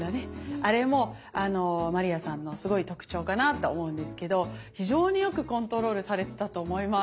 あれもまりやさんのすごい特徴かなと思うんですけど非常によくコントロールされてたと思います。